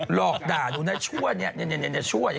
หลอกด่าหนูนะชั่วเนี่ยเนี่ยชั่ว